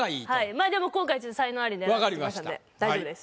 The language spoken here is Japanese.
まあでも今回才能アリ狙ってきましたんで大丈夫です。